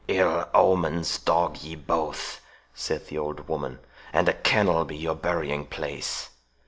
"Ill omens dog ye both!" said the old woman; "and a kennel be your burying place!